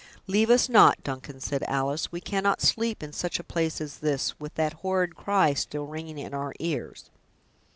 "Leave us not, Duncan," said Alice: "we cannot sleep in such a place as this, with that horrid cry still ringing in our ears."